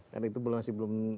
dan itu belum masih belum